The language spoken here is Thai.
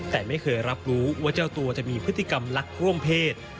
แต่ไม่เคยรับรู้ว่าเจ้าตัวจะมีพฤติกรรมลักร่วมเพศ